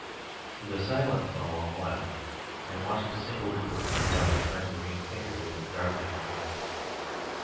"He was silent a long while, and watched a single eagle drift out beyond the Green Finger into the darkening void.